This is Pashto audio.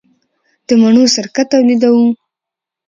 د مڼو سرکه تولیدوو؟